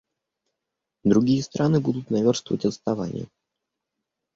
Другие страны будут наверстывать отставание.